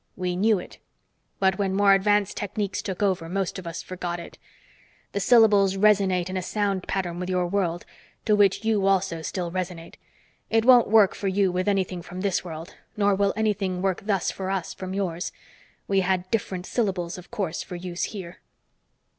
"We knew it. But when more advanced techniques took over, most of us forgot it. The syllables resonate in a sound pattern with your world, to which you also still resonate. It won't work for you with anything from this world, nor will anything work thus for us from yours. We had different syllables, of course, for use here."